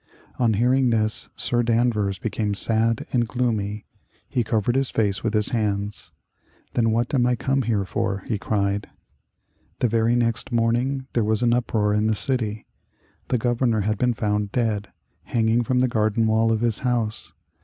On hearing this Sir Danvers became sad and gloomy. He covered his face with his hands. "Then what am I come here for?" he cried. The very next morning there was an uproar in the city. The Governor had been found dead, hanging from the garden wall of his house.